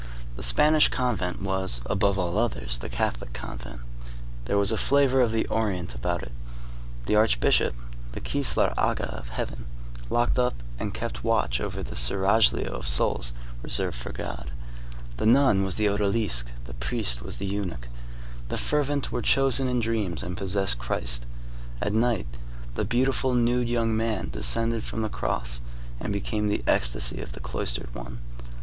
The Spanish convent was, above all others, the Catholic convent. There was a flavor of the Orient about it. The archbishop, the kislar aga of heaven, locked up and kept watch over this seraglio of souls reserved for God. The nun was the odalisque, the priest was the eunuch. The fervent were chosen in dreams and possessed Christ. At night, the beautiful, nude young man descended from the cross and became the ecstasy of the cloistered one.